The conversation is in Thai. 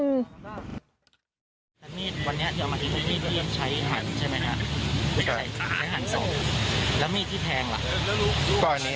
ประมาณ๓๐เซนติมิตร